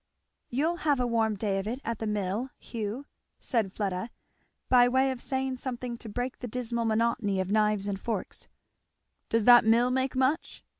"You'll have a warm day of it at the mill, Hugh," said Fleda, by way of saying something to break the dismal monotony of knives and forks. "Does that mill make much?"